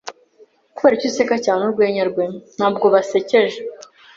kuberiki useka cyane urwenya rwe? Ntabwo basekeje